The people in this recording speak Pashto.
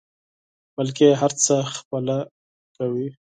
بلکې هر څه خپله کوي.